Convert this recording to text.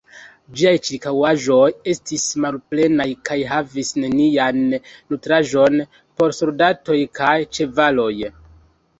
Ĝiaj ĉirkaŭaĵoj estis malplenaj kaj havis nenian nutraĵon por soldatoj kaj ĉevaloj.